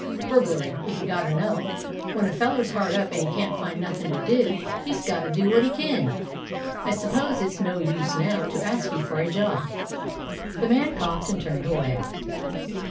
"Burglary, if you gotta know. When a feller 's hard up and can't find nothin' to do, he 's gotta do what he kin. I s'pose it 's no use now to ask you for a job." The man coughed and turned away.